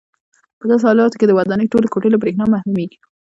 په داسې حالاتو کې د ودانۍ ټولې کوټې له برېښنا محرومېږي.